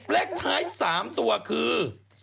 แปลกท้าย๓ตัวคือ๒๒๙